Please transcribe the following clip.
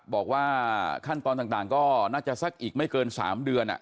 บอกว่าขั้นตอนต่างก็น่าจะสักอีกไม่เกิน๓เดือน